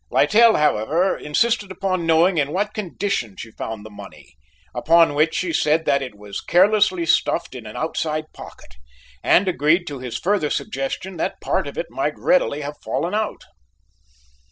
Littell, however, insisted upon knowing in what condition she found the money, upon which she said that it was carelessly stuffed in an outside pocket, and agreed to his further suggestion that part of it might readily have fallen out.